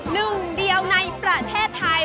หนึ่งเดียวในประเทศไทย